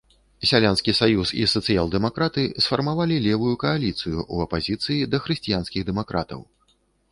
Сялянскі саюз і сацыял-дэмакраты сфармавалі левую кааліцыю ў апазіцыі да хрысціянскіх дэмакратаў.